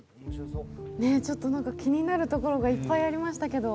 ちょっと気になるところがいっぱいありましたけど。